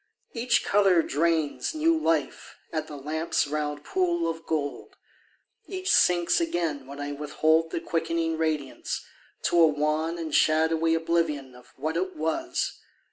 Each colour drains New life at the lamp's round pool of gold; Each sinks again when I withhold The quickening radiance, to a wan And shadowy oblivion Of what it was.